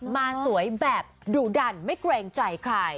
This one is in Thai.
มาสวยแบบดูดันไม่แกร่งใจค่ะ